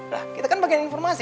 nah kita kan bagian informasi